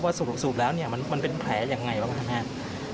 ว่าสูบแล้วมันเป็นแผลอย่างไรบ้างครับ